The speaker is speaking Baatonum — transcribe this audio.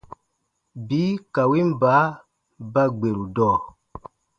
Bii ka win baa ba gberu dɔɔ.